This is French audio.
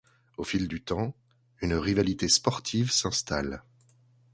Au fil du temps, une rivalité sportive s'installe.